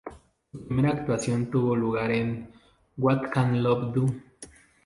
Su primera actuación tuvo lugar en "What Can Love Do".